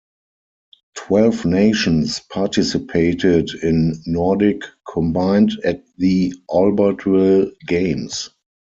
Twelve nations participated in Nordic combined at the Albertville Games.